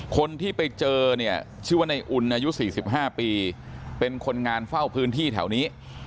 คนที่ไปเจอเนี่ยชื่อว่าในอุ่นอายุ๔๕ปีเป็นคนงานเฝ้าพื้นที่แถวนี้